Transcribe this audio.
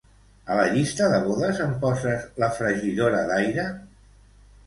A la llista de bodes em poses la fregidora d'aire?